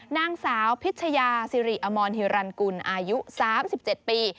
นางสาวพิชยาสิริอมรฮิรันกุลอายุ๓๗ปี